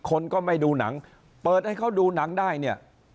คนก็ไม่ดูหนังเปิดให้เขาดูหนังได้เนี่ย